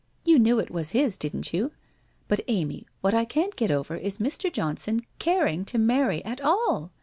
You knew it was his, didn't you? But, Amy, what I can't get over is Mr. Johnson caring to marry at all!